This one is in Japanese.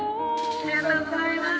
ありがとうございます。